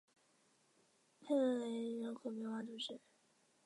佩勒雷人口变化图示